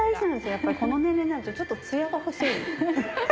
やっぱりこの年齢になるとちょっと艶が欲しいハハハ。